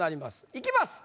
いきます。